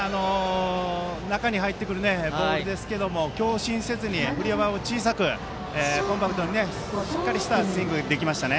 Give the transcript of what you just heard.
中に入ってくるボールですけども強振せず振り幅を小さくコンパクトにしっかりしたスイングができました。